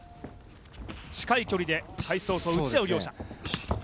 近い距離で打ち合う両者。